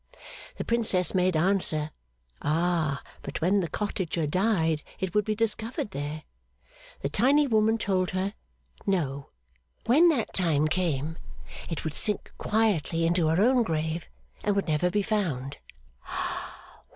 The Princess made answer, Ah! But when the cottager died it would be discovered there. The tiny woman told her No; when that time came, it would sink quietly into her own grave, and would never be found.